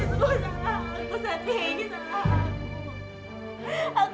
aku salah aku satu ini salah aku